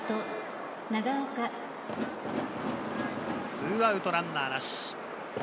２アウトランナーなし。